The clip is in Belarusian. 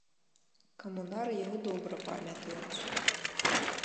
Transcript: Камунары яго добра памятаюць.